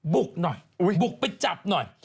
บุกหน่อยบุกไปจับหน่อย